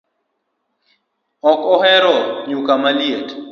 Ok ahero nyuka maliet